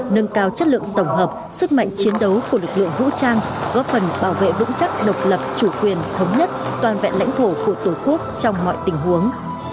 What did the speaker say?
nâng cao chất lượng tổng hợp sức mạnh chiến đấu của lực lượng vũ trang góp phần bảo vệ vững chắc độc lập chủ quyền thống nhất toàn vẹn lãnh thổ của tổ quốc trong mọi tình huống